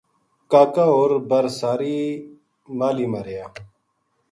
کا کا ہور بر ساہری ماہلی ما رہیا